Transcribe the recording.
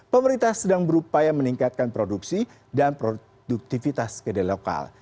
pemerintah sedang berupaya meningkatkan produksi dan produktivitas kedelai lokal